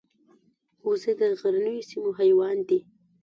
وزې د غرنیو سیمو حیوان دي